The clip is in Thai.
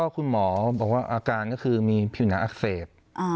คุณหมอบอกว่าอาการก็คือมีผิวหนังอักเสบ